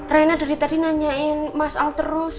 raina dari tadi nanyain mas al terus